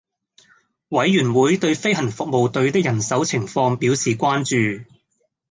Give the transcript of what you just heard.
委員會對飛行服務隊的人手情況表示關注